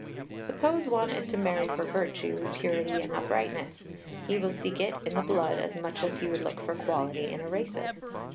Suppose one is to marry for virtue, purity, and uprightness, he will seek it in the blood as much as he would look for quality in a racer.